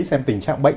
xem tình trạng bệnh